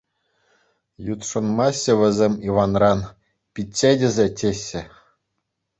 Ютшӑнмаҫҫӗ вӗсем Иванран, пичче тесе чӗҫҫӗ.